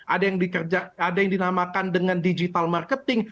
ada yang dinamakan dengan digital marketing